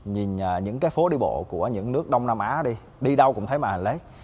nhìn những cái phố đi bộ của những nước đông nam á đi đi đâu cũng thấy màn hình led